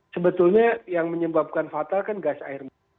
sebetulnya yang menyebabkan fatal kan gas air